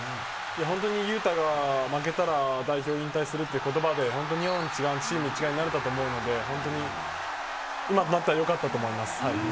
本当に雄太が負けたら代表引退するっていうことばで、本当に、日本チーム一丸になれたと思うんで、本当に今となってはよかったと思います。